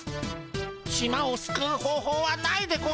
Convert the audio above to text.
島をすくう方法はないでゴンスか。